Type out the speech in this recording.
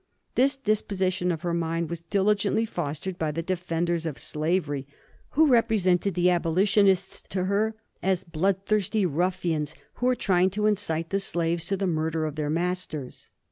This disposition of her mind was diligently fostered by the defenders of slavery, who represented the abolitionists to her as bloodthirsty ruffians who were trying to incite the slaves to the murder of their masters.